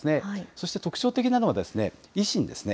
そして特徴的なのは、維新ですね。